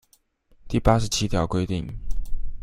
第八十七條規定